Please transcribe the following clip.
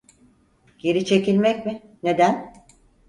Geri çekilmek mi, neden?